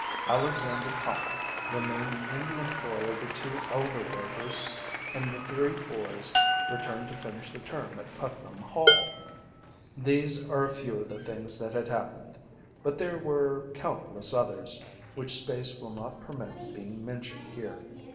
Alexander Pop remained in the employ of the two elder Rovers, and the three boys returned to finish the term at Putnam Hall. These are a few of the things that had happened. But there were countless others, which space will not permit being mentioned here.